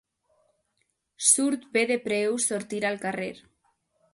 Surt bé de preu sortir al carrer.